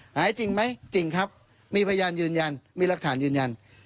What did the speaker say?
หายจริงไหมจริงครับมีพยานยืนยันมีรักฐานยืนยัน